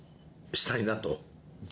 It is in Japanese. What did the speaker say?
したいなと。